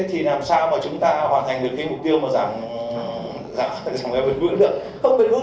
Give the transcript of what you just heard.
thế thì làm sao mà chúng ta hoàn thành được cái mục tiêu mà giảm giảm giảm cái vượt vượt được